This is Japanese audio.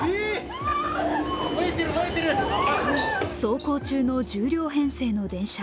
走行中の１０両編成の電車。